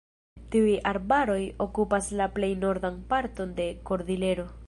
Tiuj arbaroj okupas la plej nordan parton de Kordilero.